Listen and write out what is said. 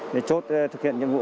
để chốt thực hiện những vụ